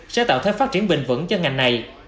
sẽ tạo thế phát triển bình vẩn cho ngành này